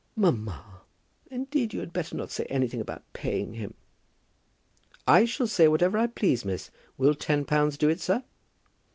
"Mamma, indeed you had better not say anything about paying him." "I shall say whatever I please, miss. Will ten pounds do it, sir?"